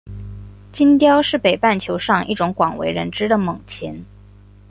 金雕是北半球上一种广为人知的猛禽。